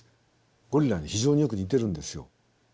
ゴリラに非常によく似てるんですよ。